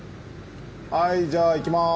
はいじゃあいきます。